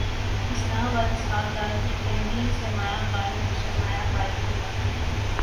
اسلام اباد اسحاق ڈار کی کینیڈین سرمایہ کاروں کو سرمایہ کاری کی دعوت